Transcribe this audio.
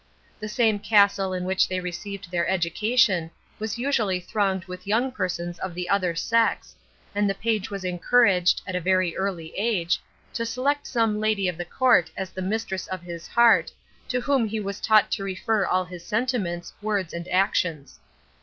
The same castle in which they received their education was usually thronged with young persons of the other sex, and the page was encouraged, at a very early age, to select some lady of the court as the mistress of his heart, to whom he was taught to refer all his sentiments, words, and actions.